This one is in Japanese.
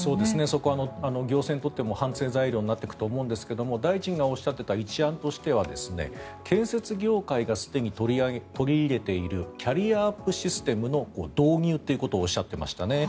そこは行政にとっても反省材料になっていくと思いますが大臣がおっしゃっていた一案としては建設業界がすでに取り入れているキャリアアップシステムの導入ということをおっしゃっていましたね。